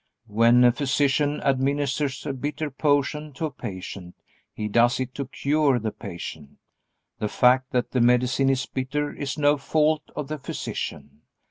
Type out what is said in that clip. When a physician administers a bitter potion to a patient, he does it to cure the patient. The fact that the medicine is bitter is no fault of the physician.